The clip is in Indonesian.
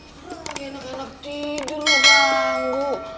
baru lagi anak anak tidur banggu